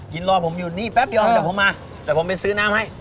รอผมอยู่นี่แป๊บเดียวเดี๋ยวผมมาแต่ผมไปซื้อน้ำให้